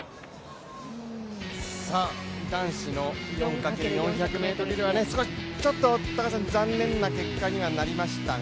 男子の４×４００ｍリレーはちょっと残念な結果にはなりましたが。